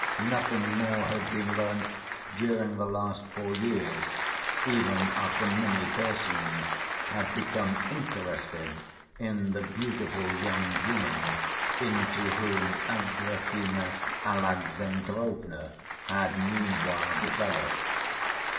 Nothing more had been learnt during the last four years, even after many persons had become interested in the beautiful young woman into whom Agrafena Alexandrovna had meanwhile developed.